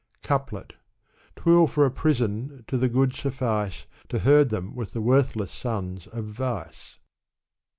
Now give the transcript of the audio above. Couplet. Twill for a prison to the good suffice. To herd them with the worthless sons of vice.